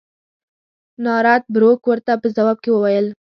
نارت بروک ورته په ځواب کې وویل.